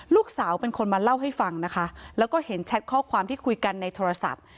ลูกสาวเป็นคนมาเล่าให้ฟังนะคะแล้วก็เห็นแชทข้อความที่คุยกันในโทรศัพท์